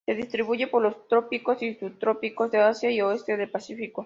Se distribuye por los trópicos y subtrópicos de Asia y oeste del Pacífico.